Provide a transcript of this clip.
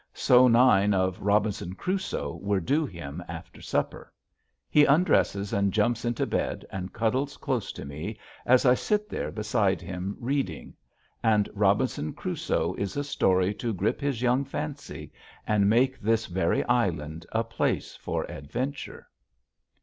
So nine of "Robinson Crusoe" were due him after supper. He undresses and jumps into bed and cuddles close to me as I sit there beside him reading. And "Robinson Crusoe" is a story to grip his young fancy and make this very island a place for adventure.